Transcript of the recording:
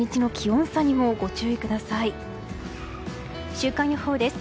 週間予報です。